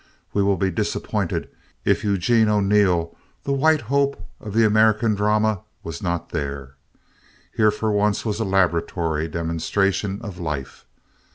We will be disappointed if Eugene O'Neill, the white hope of the American drama, was not there. Here for once was a laboratory demonstration of life.